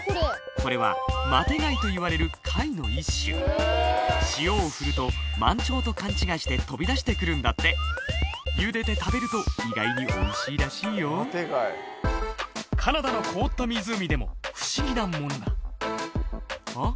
これはマテガイといわれる貝の一種塩をふると満潮と勘違いして飛び出してくるんだってゆでて食べると意外においしいらしいよカナダの凍った湖でも不思議なものがんっ？